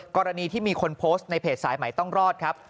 กรณีที่มีคนโพสต์ในเพจสายใหม่ต้องรอดครับ